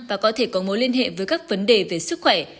và có thể có mối liên hệ với các vấn đề về sức khỏe